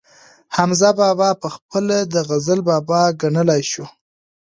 حمزه بابا پخپله د غزل بابا ګڼلی شو